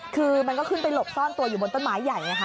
คือมันก็ขึ้นไปหลบซ่อนตัวอยู่บนต้นไม้ใหญ่ไงค่ะ